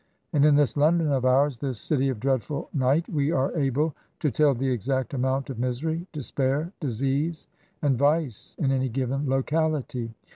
And in this London of ours, this city of dreadful night, we are able to tell the exact amount of misery, despair, disease, and vice in any given locality.